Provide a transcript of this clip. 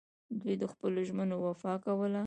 دوی د خپلو ژمنو وفا کوله